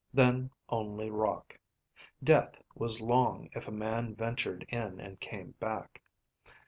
Then only rock. Death was long if a man ventured in and came back.